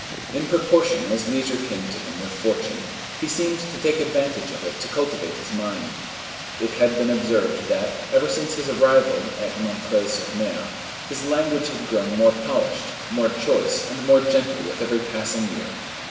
In proportion as leisure came to him with fortune, he seemed to take advantage of it to cultivate his mind. It had been observed that, ever since his arrival at M. sur M., his language had grown more polished, more choice, and more gentle with every passing year.